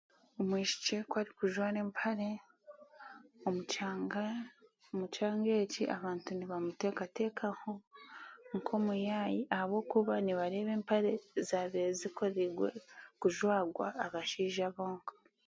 Omwishiki ku arikujwara empare omu kyanga omukyanga eki abantu nibamuteekateekaho nk'omuyaayi ahabwokuba nibareeba empare zaabaire zikorigwe kujwagwa abashaija bonka